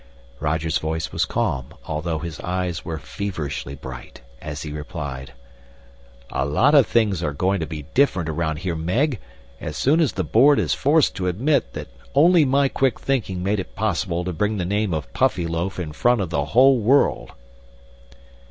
Roger's voice was calm, although his eyes were feverishly bright, as he replied, "A lot of things are going to be different around here, Meg, as soon as the Board is forced to admit that only my quick thinking made it possible to bring the name of Puffyloaf in front of the whole world."